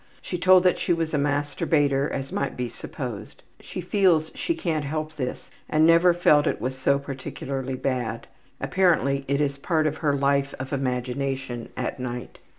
She told that she was a masturbator, as might be supposed. She feels she can't help this and never felt it was so particularly bad. Apparently it is a part of her life of imagination at night.